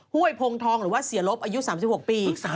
้วยพงทองหรือว่าเสียลบอายุ๓๖ปี